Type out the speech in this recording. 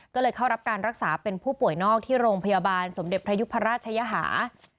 ก็เลยเข้ารับการรักษาเป็นผู้ป่วยนอกที่โรงพยาบาลสมเด็จพระยุพราชยหา